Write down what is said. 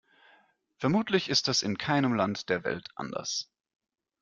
Vermutlich ist das in keinem Land der Welt anders.